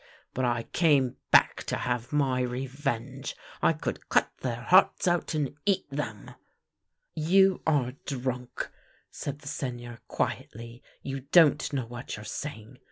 But I came back to have my revenge. I could cut their hearts out and eat them." " You are drunk !" said the Seigneur quietly. " You don't know what you're saying."